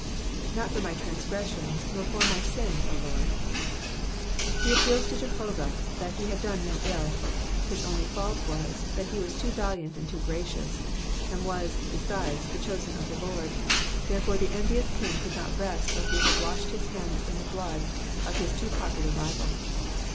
^^ Not for my tramgresfdon^ nor foi* my sin, 0 Lord,'''' He appeals to Jehovah that he had done no ill. His only fault was, that he was too valiant and too gracious, and w^as, besides, the chosen of the Lord, therefore the envious king could not rest till he had washed his hands in the blood of his too popular rival.